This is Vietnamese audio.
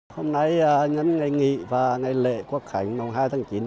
hôm nay là ngày nghỉ và ngày lễ quốc khánh hai tháng chín